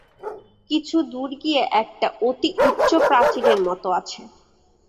কিছু দূর গিয়া একটা অতি উচ্চ প্রাচীরের মত আছে।